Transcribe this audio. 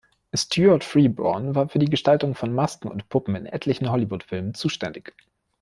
Stuart Freeborn war für die Gestaltung von Masken und Puppen in etlichen Hollywoodfilmen zuständig.